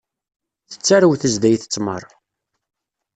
Tettarew tezdayt ttmeṛ.